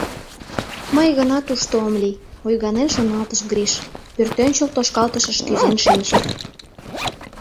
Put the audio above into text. Мый гына тушто ом лий», — ойганен шоналтыш Гриш, пӧртӧнчыл тошкалтышыш кӱзен шинче.